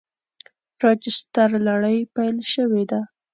راجستر لړۍ پیل شوې ده.